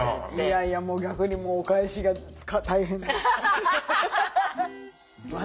いやいやもう逆にお返しが大変。